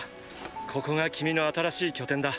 ここが君の新しい拠点だ。